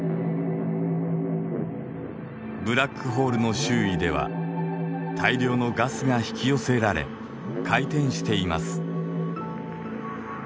ブラックホールの周囲では大量のガスが引き寄せられ回転しています。